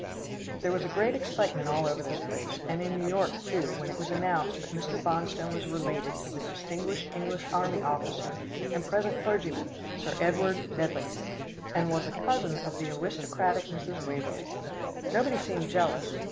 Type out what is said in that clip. There was a great excitement all over this place, and in New York too, when it was announced that Mr. Bonstone was related to the distinguished English army officer and present clergyman Sir Edward Medlington, and was a cousin of the aristocratic Mrs. Waverlee. Nobody seemed jealous.